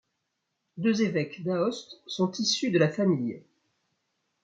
Deux évêques d'Aoste sont issus de la famille.